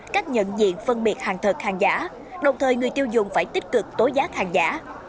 cách nhận diện phân biệt hàng thật hàng giả đồng thời người tiêu dùng phải tích cực tối giá hàng giả